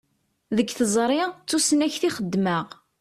Deg teẓṛi, d tusnakt i xeddmeɣ.